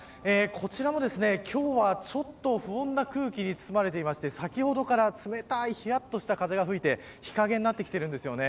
こちらも今日は不穏な空気に包まれていまして先ほどから、冷たいひやっとした風が吹いて日陰になってきてるんですよね。